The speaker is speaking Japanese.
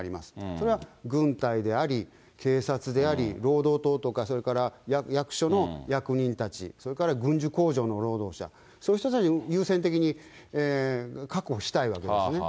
それは軍隊であり、警察であり、労働党とか、それから役所の役人たち、それから軍需工場の労働者、そういう人たちに優先的に確保したいわけですね。